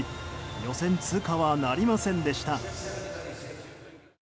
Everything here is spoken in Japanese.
予選通過はなりませんでした。